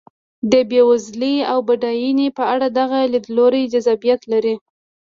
د بېوزلۍ او بډاینې په اړه دغه لیدلوری جذابیت لري.